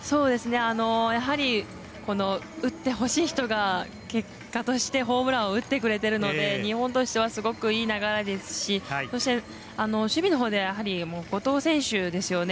やはり、打ってほしい人が結果としてホームランを打ってくれているので日本としてはすごくいい流れですし、そして守備のほうでやはり後藤選手ですよね